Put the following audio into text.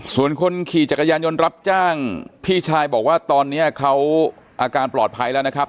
ส่วนคนขี่จักรยานยนต์รับจ้างพี่ชายบอกว่าตอนนี้เขาอาการปลอดภัยแล้วนะครับ